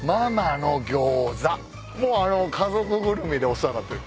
もうあの家族ぐるみでお世話になってる。